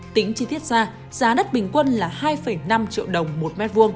tính chi tiết ra giá đất bình quân là hai năm triệu đồng một m hai